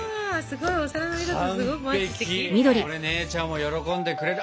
これ姉ちゃんも喜んでくれる。